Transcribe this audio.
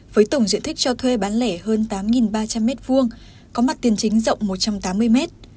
với tổng diện tích cho thuê bán lẻ hơn tám ba trăm linh m hai có mặt tiền chính rộng một trăm tám mươi mét